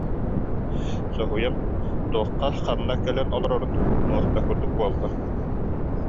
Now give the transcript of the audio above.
Соһуйан, туохха, ханна кэлэн олорорун умнуох да курдук буолла